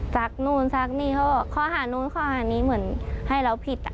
จากนู่นจากนี่เขาบอกข้อหานู้นข้อหานี้เหมือนให้เราผิด